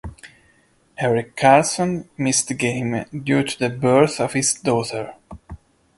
Erik Karlsson missed the game due to the birth of his daughter.